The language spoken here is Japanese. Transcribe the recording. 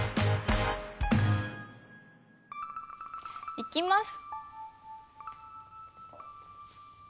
いきます！